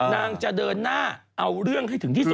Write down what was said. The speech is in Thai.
นางจะเดินหน้าเอาเรื่องให้ถึงที่สุด